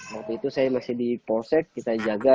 waktu itu saya masih di polsek kita jaga